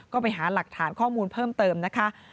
ก็ไปหาหลักฐานข้อมูลเพิ่มเติมนะคะ